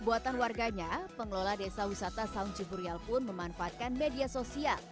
buatan warganya pengelola desa wisata saung ciburial pun memanfaatkan media sosial